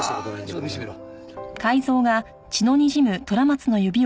ちょっと見せてみろ。